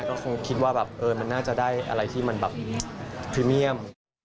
ก็คงคิดว่าแบบมันน่าจะได้อะไรที่มันแบบพรีเมียม